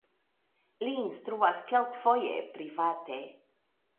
Li instruis kelkfoje private.